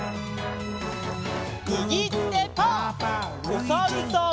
おさるさん。